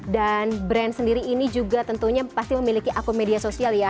dan brand sendiri ini juga tentunya pasti memiliki akun media sosial ya